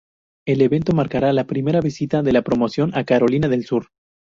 El evento marcará la primera visita de la promoción a Carolina del Sur.